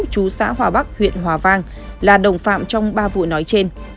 chú xã hòa bắc huyện hòa vang là đồng phạm trong ba vụ nói trên